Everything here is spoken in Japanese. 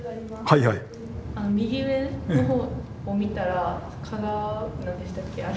右上の方を見たら何でしたっけあれ？